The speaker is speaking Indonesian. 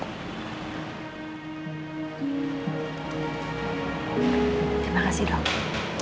terima kasih dok